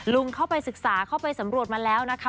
ลุงเข้าไปศึกษาเข้าไปสำรวจมาแล้วนะคะ